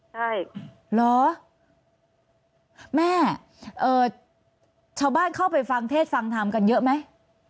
ใช่เหรอแม่ชาวบ้านเข้าไปฟังเทศฟังธรรมกันเยอะไหม